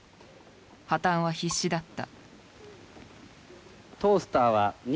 破綻は必至だった。